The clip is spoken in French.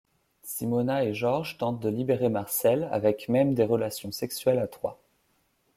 Simona et Georges tentent de libérer Marcelle, avec même des relations sexuelles à trois.